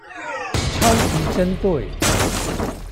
超級針對